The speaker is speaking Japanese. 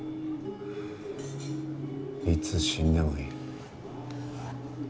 いつ死んでもいい。